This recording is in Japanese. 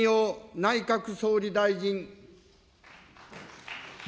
内閣総理大臣。